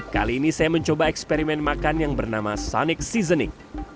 kali ini saya mencoba eksperimen makan yang bernama sonic seasoning